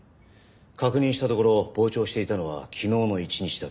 確認したところ傍聴していたのは昨日の１日だけ。